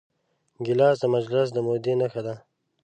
ګیلاس د مجلس د مودې نښه ده.